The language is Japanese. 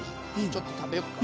ちょっと食べよっか。